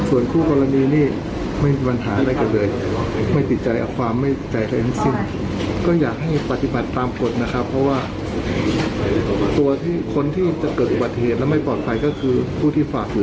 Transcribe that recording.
วันนี้นายอภิชาตรรบพก็ไปทำงานตามปกตินะคะ